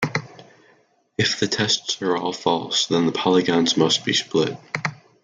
If the tests are all false, then the polygons must be split.